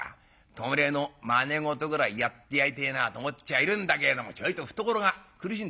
弔いのまね事ぐらいやってやりてえなと思っちゃいるんだけれどもちょいと懐が苦しいんでい。